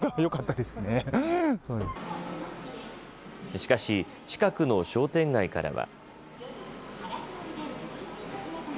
しかし、近くの商店街からは。